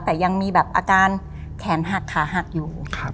แต่ยังมีแบบอาการแขนหักขาหักอยู่